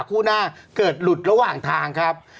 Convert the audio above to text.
คู่หน้าเกิดหลุดระหว่างทางครับ